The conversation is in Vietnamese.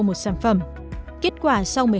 một sản phẩm kết quả sau